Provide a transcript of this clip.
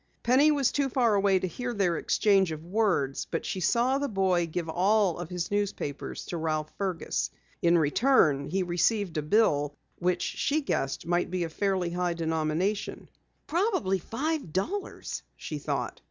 Penny was too far away to hear their exchange of words, but she saw the boy give all of his newspapers to Ralph Fergus. In return, he received a bill which she guessed might be of fairly high denomination. "Probably five dollars," she thought.